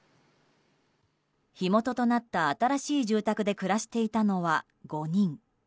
火元となった新しい住宅で暮らしていたのは５人。